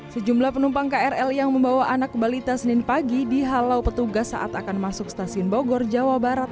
sejumlah penumpang krl yang membawa anak balita senin pagi dihalau petugas saat akan masuk stasiun bogor jawa barat